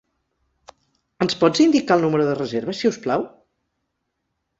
Ens pots indicar el número de reserva, si us plau?